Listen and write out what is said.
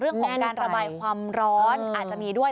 เรื่องของการระบายความร้อนอาจจะมีด้วย